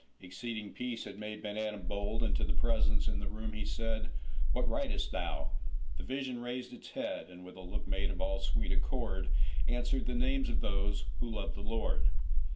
Exceeding peace had made Ben Adhem bold, And to the presence in the room he said,'What writest thou?'—The vision raised its head, And, with a look made of all sweet accord, Answered, 'The names of those who love the Lord.